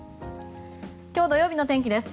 今日土曜日の天気です。